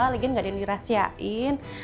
lagi gak ada yang dirahsiain